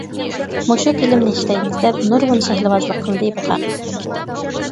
مۇشۇ فىلىمنى ئىشلەيمىز دەپ نۇرغۇن شەكىلۋازلىق قىلدى بۇ خەق.